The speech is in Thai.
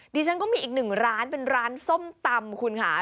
ดิฉันก็มีอีกหนึ่งร้านเป็นร้านส้มตำคุณค่ะ